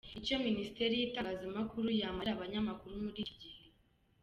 Icyo ministeri y’itangazamakuru yamarira abanyamakuru muri iki gihe